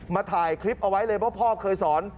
ถ่ายคลิปเอาไว้เลยว่าพ่อเคยสอน